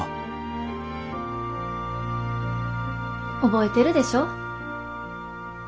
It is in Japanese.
覚えてるでしょ？